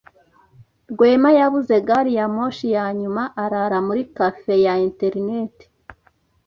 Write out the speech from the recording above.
Rwema yabuze gari ya moshi ya nyuma arara muri cafe ya interineti.